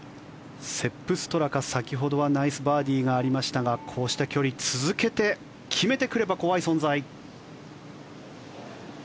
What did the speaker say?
セップ・ストラカ、先ほどはナイスバーディーがありましたがこうした距離続けて決めてくれば怖い存在。